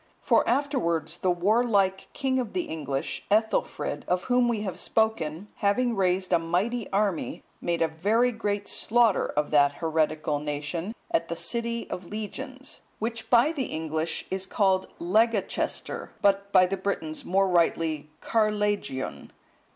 For afterwards the warlike king of the English, Ethelfrid,(170) of whom we have spoken, having raised a mighty army, made a very great slaughter of that heretical nation, at the city of Legions,(171) which by the English is called Legacaestir, but by the Britons more rightly Carlegion.